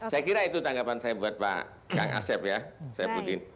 saya kira itu tanggapan saya buat pak kang asep ya budi